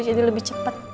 jadi lebih cepat